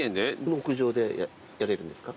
屋上でやれるんですか？